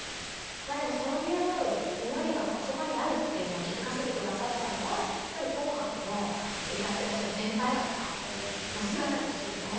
そういう祈りがあそこにあるっていうのを気付かせて下さったのは「紅白」の歌ってらっしゃる先輩方の姿ですよね。